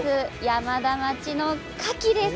山田町の、かきです。